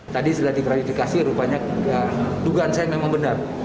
tadi setelah diklarifikasi rupanya dugaan saya memang benar